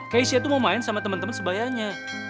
keisha tuh mau main sama temen temen sebayangnya